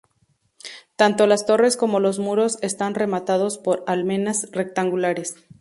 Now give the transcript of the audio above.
Tanto las torres como los muros están rematados por almenas rectangulares.